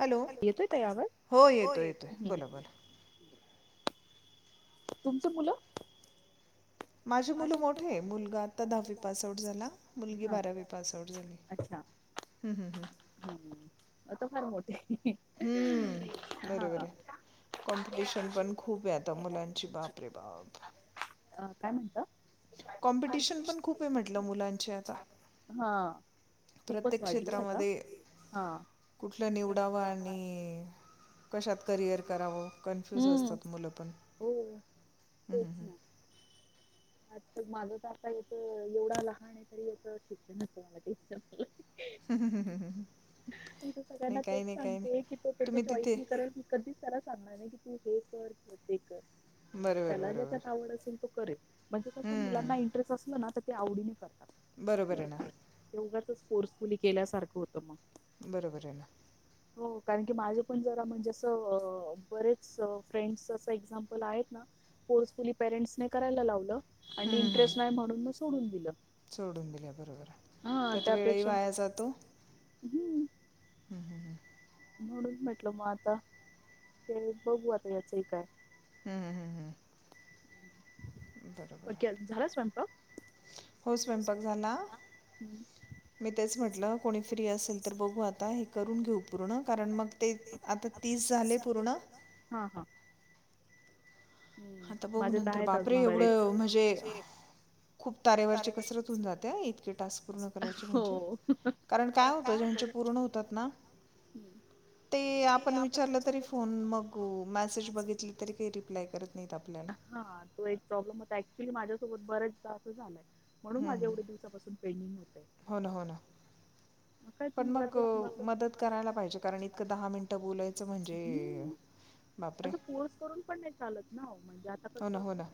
Hello येतोय ताई आवाज? हो येतोय येतोय बोला बोला तुमचं मुलं माझी माझे मुलं मोठे आहे आत्ता मुलगा आता दहावी पासआउट झाला दहा मुलगी बारावी पासआउट झाली [unintelligible] अच्छा हं, हं, हं. हम् आता फार मोठ हम्म बरोबर आहे कॉम्पिटिशन पण खूपाय आता मुलांची बापरेबाप काय म्हणता? कॉम्पिटिशन पण खूपे म्हटलं मुलांचे आता हा खूपच प्रत्येक वाढली आता क्षेत्रामध्ये हा. कुठलं निवडावं आणि कशात करिअर करावं कन्फ्युज हम्म असतात मुलं पण हो हम्म हम् हम् आज माझं तर आता याेत एवढा लहान आहे तरी याचं शिक्षणाच मला टेन्शन अलय [unintelligible] म त नाही सगळ्यांना तेच काही नाही काही सांगते नाही की तो त्या तुम्ही चॉईस तिथे ने करल मी कधीच त्याला सांगणार नाही की तू हे कर किंवा ते कर बरोबर त्याला बरोबर ज्याच्यात आवड असेल तो करेल - म्हणजे कसं हं, मुलांना इंटरेस्ट असलं ना तर ते आवडीने करतात बरोबर आहे ना ते उगाचच फोर्सफुली केल्यासारखं होतं मग बरोबर आहे ना हो कारण की माझे पण जरा म्हणजे असं बरेच फ्रेंड्स असं एक्झाम्पल आहेत ना फोर्सफुली पेरेंट्से करायला लावलं आणि हं, हं. इंटरेस्ट नाही म्हणून म सोडून दिलं सोडून दिल्या बरोबर हा त्यात वेळही त्यापेक्षा वाया जातो हम्म म्हणून म्हटल मग आता ते बघू आता याचही काय हम्म हम्म हम्म हम्म क झाला स्वयंपाक हो स्वयंपाक झाला हम्म मी तेच म्हटलं कोणी फ्री असेल तर बघू आता हे करून घेऊ पूर्ण कारण मग ते तीस झाले पूर्ण हा हा आता बघू माझे तर नंतर आहेत बापरे अजून बरेच एवढं म्हणजे खूप तारेवरची कसरत होऊन जातय इतके टास्क पुर्ण करायचे म्हणजे कारण काय होत ज्यांचे पुर्ण होतात [unintelligible] हम्म ते आपण विचारलं तरी फोन मग मेसेज बघितली तरी काही रिप्लाय करत नाही हा तो एक प्रॉब्लेम होता ऍक्च्युली माझ्यासोबत बरेचदा असं झालंय म्हणून हम्म, माझे हम्म. एवढे दिवसापासून पेंडींग होते हो ना हो ना म काय तू अ मदत करायला पाहिजे कारण इ दहा मिनटं बोलायचं य हम आ बापरे फोर्स करून पण नाही चालत ना म्हणजे आता हो कस ना हो ना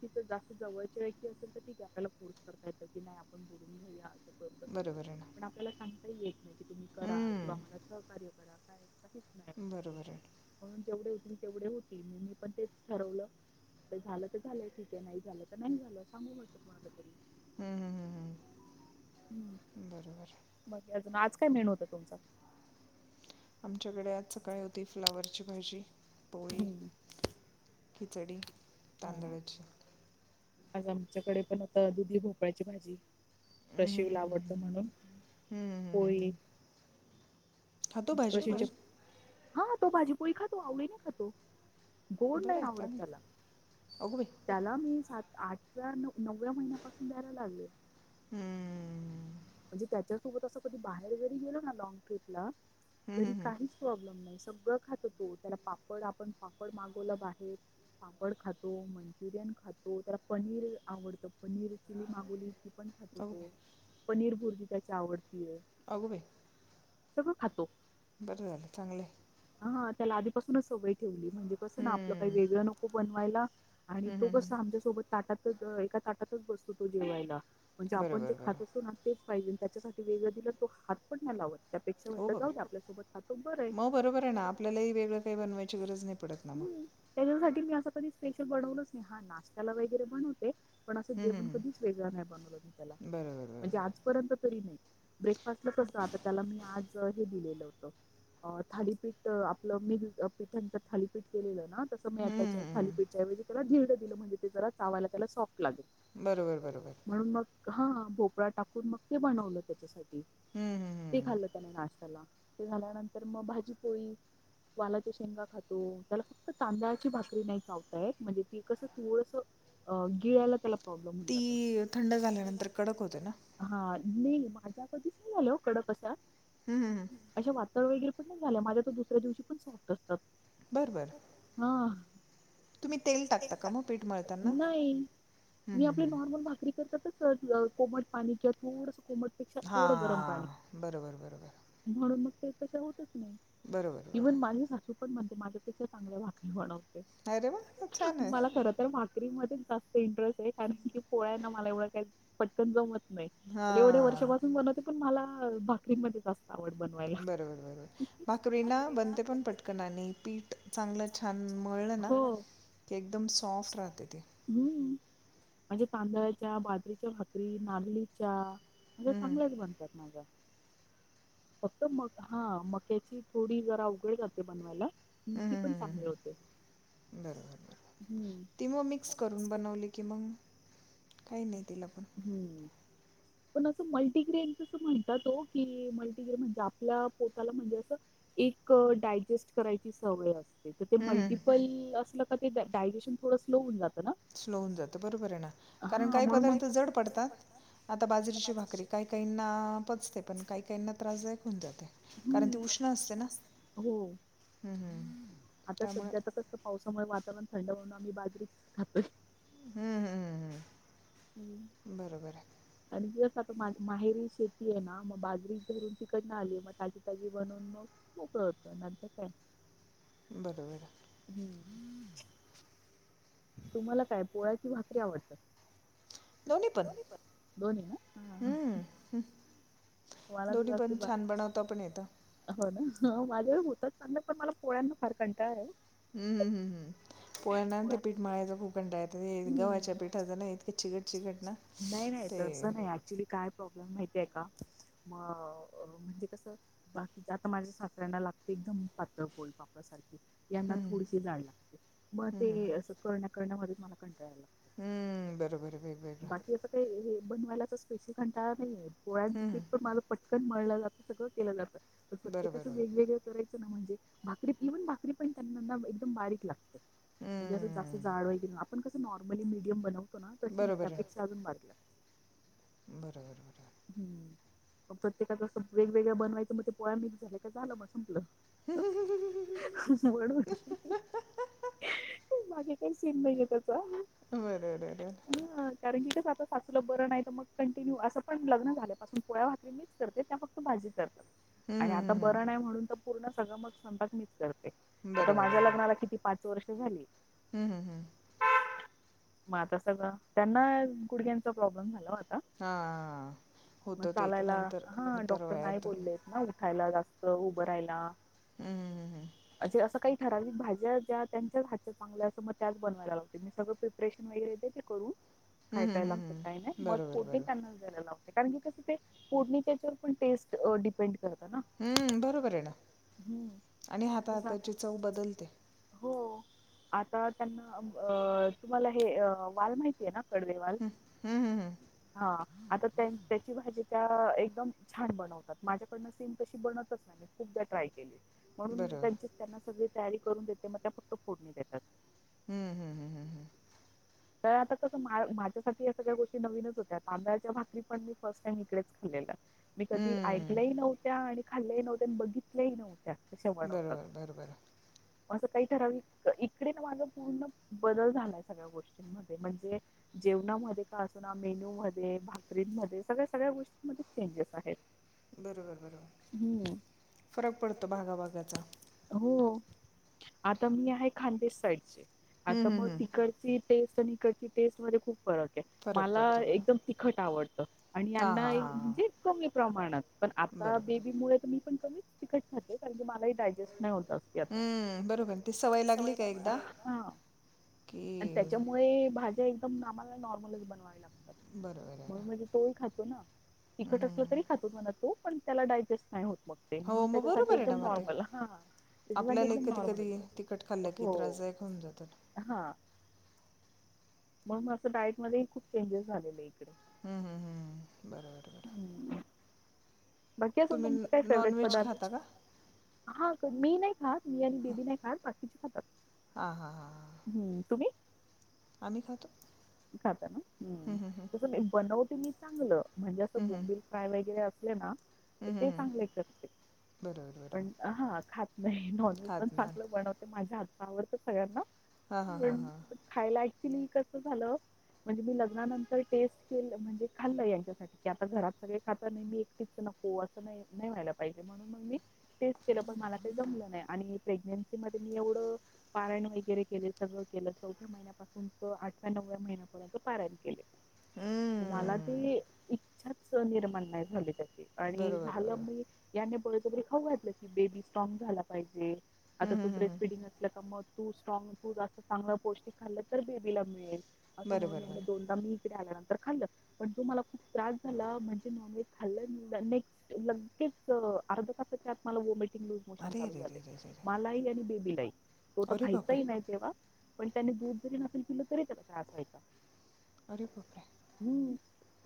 कि जास्त जवळचे व्यक्ती असेल तर ठीक आहे आपल्याला फोर्स करता येत की नाही आपण बोलून घेऊया असं करू तसं करू बरोबर आहे ना पण आपल्याला सांगता नाही की तुम्ही करा किंवा मला हम्म, सहकार्य करा काय काहीच नाही उगाचच बरोबर आहे म्हणून जेवढे तेवढे होतील म मी पण तेच ठरवलं झालं तर झालंय ठीके नाही झालं तर नाही झालं सांगू म्हटलं हम्म, हम्म, हम्म, हम्म. बरोबर अजून काय मिेळूत तुमचा आमच्याकडे आज सकाळी होती फ्लावरची भाजी पोळी हम्म खिचडी हा तांदळाची आज आमच्याकडे पण आता दुधी भोपाळची भाजी हम्म, रशीला हम्म, हम्म, आवडतो हम्म. म्हणून हम्म, हम्म, हम्म, पळी हम्म. खातो भाजी पोळी हा तो भाजीपोळी खातो आवडी खातो गोड बरं नाही आहे आवडत चांगलं त्याला अगो बाई त्याला मी स आठव्या नवव्या महिन्यापासून द्यायला लागले हम्म. म्हणजे त्यात त्याोबत कधी बाहेर जरी गेलो ना ल ट्र्रीपला हम्म, तरी हम्म, हम्म. काही प्रॉब्लेम नाही सगळं खात तो त्याला पापड आपण पापड मागवलं बाहेर पापड खातो मंचुरियन खातो त्याला पनीर आवडतं पनीर चिली मागुली अगो बाई खो पनीर भुर्जी त्याची आवडतीय अगवे सगळं खातो बरं झालं चांगलं हा त्याला आधीपासूनच सवय ठेवली म्हणजे कसं ना आपलं काही हं. वेगळं नको बनवायला आणि हं, तो हं, हं. कस आमच्यासोबत ताटातच एका ताटातच बसतो तो जेवायला म्हणजे आपण जे बरोबर, खात बरोबर. असो ना तेच पाहिजे त्याच्यासाठी वेगळ दि तो हात पण नाही लावत अेक्षा हो म्हट जाऊ बापरे! आपल्यासोबत खातो बरं आहे मग ना, बरोबर आहे आपल्यालाही वेगळं काही आप बनवायची गरज नाही पडत ना मग. व त्याच्यासाठी मी अस कधी स्पेशल बनवलच नाही हा नाशत्याला वगैरे बनवते पण असं हं, हं, जेवण कधीच हं. वेगळं नाही बनवलं मी त्याला बरोबर, म्हणजे बरोबर. आजपर्यंत तरी नाही ब्रेकफास् कस आता त्याला मी आज दि हो थालीपीठ आपलं म पीठां थालीपीठ केलेलं ना तसं हं, म्याच्या हं, हं. खालीपीच्याऐज त्यालाधीड दिलं म्हणज ते जरा चायला त्याला सॉफ्ट बरोबर, बरोबर. म्हणून मग हा भोपळा टाकून मग ते बनवलं त्याच्यासाठी हं, हं, ते हं. खाल्लं त्याने ते झाल्यानंतर मग भाजी पोळी वालाच्या शेंगा खातो त्याला फक्त तांदळाची भाकरी नाही चावतायेत म्हणजे ती कसं थोडस गिळला त्याला प्रॉब्लेम होन ती जात थंड झाल्यानंतर थं कडक होते ना? नाही माझ्या कधीच नाही आल कड कस हम्म वगैरे पण नाही झाल्या माझ्या त दुसऱ्या दिवशी पण सत असतात बरं, बरं. हा तुम्ही तेल टाकता ट का मग पीठ मळताना? नाही हं, मी हं, आपली हं. नॉर्मल भाकरी कर कोमट पाणी किंवा थोडस कोमटपेक्षा थोडं गरम हां. बरोबर, बरोबर. पाणी म्हणून मग ते कशा होतच नाही बरोबर, इव्हन बरोबर. माणस असू ण माझ्यापेक्षा चांग भाकरी बनवाटे अरे वाह! छान आहे. मला खर भाकरी जास्त इंटरेस्ट आहे कारण की पोळ्या ना मला एवढं काय पटकन ज नाही एवढ्या हां. वर्षापासून बनवते पण मला भाकरीमध्ये जास् बरोबर बरोबर भाकरीना बनते पण पटकन आणि पीठ चांगलं छान मळलं ना ते एकदम सॉफ्ट राहते ते हम्म म्हणजे तांदळाच्या बाजरीच्या भाकरी नागलीच्या म हं, चांगलच एक बनतात माझ्या फक्त म हा मक्याची थोडी जरा उघड जाते बनवायला ती पण चांगली होते ब ती मग मिक्स करून बनवली की मग काही नाही तिला पण [inaudible] पण असं मल्टीग्रेन म्हणतात की मल्टीग्रेन म्हणजे आपल्या पोटला म्हणजे अस डायजेस्ट करायची सवय अस तर ते हं, हं. मल्टिपल असलं का ते डायजेशन थोडं स्लो होऊन जात स्लो होऊन जातं बरोबर आहे ना कारण काही म्हणून मग पदार्थ जड पडतात आता बाजरीची भाकरी काही काहींना पचते पण काही काहींना त्रासदायक होऊन जाते कारण ती उष्ण हम्मत असते ना हो हं, हं. आता त्यामुळे सध्या तर कस पावसामुळे वातावरण थंड होऊन आम्ही बाजरीत खातोय हं, हं, हं, हं. बरोबर अ झ माहेरी शेती आहे ना मग बाजरी धरून तिकडन आली मग ताजी ताजी बनवून मग मोकळ होत नंतर काय बरोबर हम्म तुम्हाला काय पोळ्याची भाकरी आवडतात दोन्ही पण दोनी ना हं, हं. वाला दोन्ही तला पण ब छान बनवता पण येतं. बनवतोण हो ना वाजळ होतच चांगलं पण मला पोळ्यांना फार कंटा आहे हम्म हम्म हम्म हम्म पोळ्यान ते पीठ माळायचा खूप कंडा येत गव्हाच्या हम्म. पीठाचा नाही कच्ची कच्ची चिकट घटना चिकट. नाही नाही, नाही ऍक्च्युली काय प्रॉब्लेम माय का म म्हणजे कसं बाकी आता माझ्या सास ऱ्यांना लागत एकदम पातळ बोलपापासारखे यांना थोडीशी जाड लागते मग ते अस करण्या करण्या म मला कंटाळायला लाग हम्म बरोबर वेगवेेग असं काही हे बनवायलाच स्पेशल कटाळा नाहीे येत पोळ्यांचं. हं, पिठ हं. पटकन मळलं जातं सगळं केलं जातं बरोबर, प्रत्येकाच बरोबर. वेगळ म्हणजे भाकरी इव्हन भाकरी पण त्यां एकदम बारीक लागते म्हणजे असं जास्त हं. जाड वगैरे आपण कसं नॉर्मली मिीडियम बनव कशी नाही बरोबर आहे. त्यापेक्षा अजूनारला बरोबर बरोबर हम्म मग प्रत्येकाचं वेगवेगळ्या बनवायचं मग ते पोळ्या मी झाल्या का झालं मग संपलं ह ह ह ह म्हणून ह हम हा हा हा हा. कोण सेट नाही घेतात. बर र र र चलं बर नाही तर मग कंटिन्यू असं पण लग्न झाल्या पासून पोळ्या भाातरी मीच करते त्या मग तू भाजी कर हं, आणि हं, आता हं, बरं हं. नाही म्हणून तर पूर्ण सगळं मग संपक मीच करत आता माझ्या लग्नाला किती पाच वर्ष झाली हम्म हम् हम्म मग आता सगळं त्यांना गुडक्यांचा प्रॉब्लेम झाला होता हा मग चालायला हा डॉक्टर नाही उतारवयात. बोललेत ना खाला जास्त उभं राहायला हं, हं, हं, हं. म्हजे असं काही ठराविक भाज्या ज्या त्यांच्याच हातच्या चांगल्या असं मग त्याच बनवायला लावते मी सगळं प्रिपरेशन वगैरे द ते करू काय हं, काय हं, हं, लागतं काही हं. नाही मग बरोबर, कोठे बरोबर. त्यांना द्यायला लागत कारण की कसं ते फूड त्याच्यावर पण टेस्ट डपेंड हम्म बरोबर आहे ना आणि जसं आता हातहाताची चव बदलते हो आता त्यांना तुम्हाला हे वाल माहिती आहे ना हं, हं, हं. आ भाजी त्या एकदम छान बनवतात माझ्याकडन सेम तशी बनतच नाही मी खूपदा ट्राय केली म्हणून बरोबर. त्यांची त्यांना सगळी तयारी करून देते मग त्या फक्त फोडणी देतात हम्म हम्म हम्म हम्मम्. आता कसं मा माझ्यासाठी या सगळ्या गोष्टी नवीनच होत्या, तांदळाच्या भाकरी पण मी फर्स्ट टाइम इकडेच खाल्लेलं. मी कधी हं. ऐकल्याही नव्हत्या आणि खाल्ल्याही नव्हत्या आणि बघितल्याही नव्हत्या. कशा बनवतात बरोबर बरोबर. असं काही ठरवलं इकडे ना माझा पूर्ण बदल झालाय सगळ्या गोष्टी म्हणते म्हणजे जेवणामध्ये का अस ना मेनू मध्ये भाकरीमध्ये सगळ्या सगळ्या गोष्टी चेंजेस आहेत. बरोबर, बरोबर. हम्म फरक पडतो भागाभागाचा. हो. आता मी आहे, खानदेश साईडचे हं, आता हं, मग हं. तिकडची टेस्ट आणि इकडची टेस्ट मध्ये खूप फरक आहे, फरक मला पडतो बरोबर. एकदम तिखट आवडतं. आणि हां, यांना हां, हां, म्हणजे हां. कमी प्रमाणात पण आता बरोबर. बेबी मु ती पण कमीच तिकट खाते कारण की मला ही डाजेस्ट नाहीत होत ते आता हं, बरोबर. ती सवय लागली का एकदा हा. की आणि त्याच्यामुळे. म हे भाज्या एकदम आम्हाला नॉर्मलच बनवा्या लागतात बरोबर आहे ना. म्हणून म्हणजे तोही खातो ना. हं, तखट असलं तरी हं. खात म्हण तो पण त्याला डायजेस्ट नाही होत. मग ते म्हणून हो, मग त्याच्यासाठी बरोबर आहे एकदम ना मग ते. नॉर्मल हा हा. त्याच्यासाठी आपल्यालाही एकदम नॉर्मल कधी-कधी तिखट खाल्लं की हो त्रासदायक होऊन जातं ना. हा. मग असं डायट मध्ये खूप चेंजेस झालेले इकडे हम्म हम्म हम्म बरोबर बरोबर. हम्म. बाकी तुम्ही तुम काय फेवरेट नॉनव्हेज पदार्थ. खाता का मी नाही खा मी आणि बेबी नाही खा बाकीची खातात. हा हा हा. हम्म तुम्ही खाता ना हम्म हं, हं, तस मी बनवते मी चांगलं. म्हणजे असं हं, हं, बोंबिल फ्राय वगैरे असले ना तर हं, ते हं, हं. चांगले करते. बरोबर पण बरोबर हा खात नाही नॉनव्हेज पण खात नाही चांगलं बनवते माझ्या हात आवडत सगळ्यांना हां हां हां पण हां खायला ऍक्च्युली कस झालं. म्हणजे मी लग्नानंतर टेस्ट के म्हणजे खाल्ल यांच्यासाठी की, आता घरात सगळे खात मी एकटी नको अस नाही व्हायला पाहिजे म्हणून म मी टेस्ट केलं पण मला काही जमलं नाही आणि प्रेग्न्सी मध्ये मी एवढं पाराण वगैरे के सगळं केलं चौ्या महि्यापून त आठव्या नवव्या महिपर्यंत पारण के मला हं. ते इच्छाच निर्माण नाही झालीह आणि बरोबर झालं बरोबर म या पच बरी खाऊ घातलं की बेबी स्ट्रॉग झाला पाहिजे आता हं, तू हं, हं, ब्रेस्ट हं. फिडिंग असलं का मग तू स्ट्रॉंग तू असं चांगलं पौष्टिक खाल्लं तर बेबीला मिळेल असं बरं म्हणून बरं या बरं दोनदा मी इकडे आल्यानंतर खाल्ल पण तो मला खूप त्रास झाला म्हणजे नॉन व्हेज खाल्लं नेक्स्ट लगेच अ अर्ध्या तासाच्या आत मला ओमिट लूस मोशन अरे चालू अरे अरे झाले अरे अरे अरे मलाही आणि बेबीलाही तो तर अरे बापरे खायचाही नाही तेव्हा पण त्याने दूध जरी नसेल पिल तरी त्याला त्रास व्हायचा. अरे बापरे. हम्म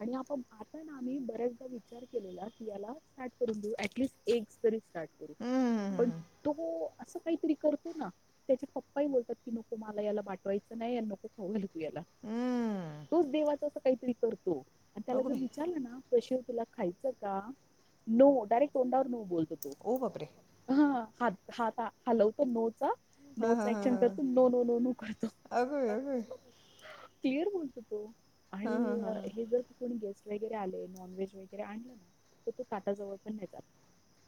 आणि आपोआप आत्ता ना आम्ही बर्याच विचार केलेला की, याला स्टार्ट करून ऍट्लिस्ट एक तरी स्टार्ट हं, हं, [unintelligible] हं, पण हं, तो असं काहीतरी करतो ना त्याचे पप्पाही बोलतात की, नको मला याला पाठवायचं नाही आणि नको खावू घालूस. गेला हं. तोच देवाच अस काहीतरी करतो आणि त्याला अगो जर बाई विचारलं ना पैसे तुला खायचं का नो डायरेक्ट तोंडावर नो बोलतो. तो वो बापरे. हा हात हात हालवतो नो नो हां चा हां हां ॲक्शन हां करतो नो नो नो नो करतो. अगो बाई अगो बाई क्लिअर बोलतो तो हां हां आणि हां हां हे जर कोणी गेस्ट वगैरे आले नॉन व्हेज. वैगेरे आणल ना तर तो ताटाजवळ पण नाही जात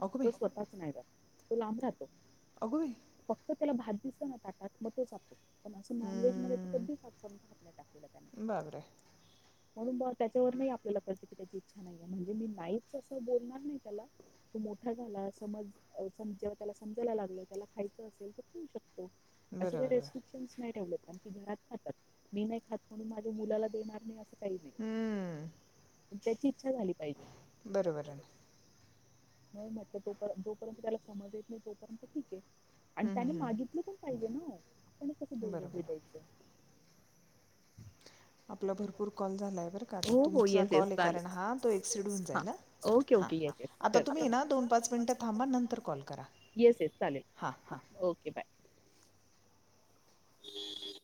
अगो तो बाई स्वतःच नाही जात. तो लांब राहतो. अगं बाई फक्त त्याला भात दिसला ना ताटात मग तो [unintelligible] त्याला असं नॉनव्हेज मध्ये हं. कधीच [unintelligible] आजपर्यंत हात नाही टाकलेला त्याने बापरे म्हणून म त्याच्यावर नाही आपल्याला प्रतिक्रिया [unintelligible] म्हणजे मी नाहीच असं बोलणार नाही त्याला तो मोठा झाला समज जेव्हा त्याला समजायला लागल त्याला खायचं असेल तर खाऊ शकतो असा काही बरोबर बरं रेस्ट्रिक्शन्स नाही ठेवले कारण की घरात खातात मी नाही खात म्हणून माझ्या मुलाला देणार नाही अस काही हं. नाही त्याची इच्छा झाली पाहिजे बरोबर आहे म म्हटलं तोपर्यंत जोपर्यंत त्याला समज येत नाही तोपर्यंत ठीक आहे आणि हं, त्याने हं, हं. मागितलं पण पाहिजे ना ओ आपण कसं बरं, बळजबरी बरं. द्यायचं आपला भरपूर कॉल झाला आहे बरं का आता हो हो तुमचा येस येस कॉल आहे कारण चालेल हां तो एक्सिड होऊन हा जाईल ओके हां ओके येस येस आता करते तुम्ही ये ना दोन पाच मिनिटं थांबा नंतर कॉल करा येस येस हां, हां. चालेल ओके बाय